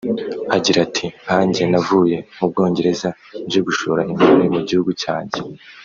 agira ati “Nkanjye navuye mu Bwongereza nje gushora imari mu gihugu cyanjye